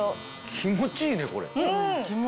気持ちいいねこれ。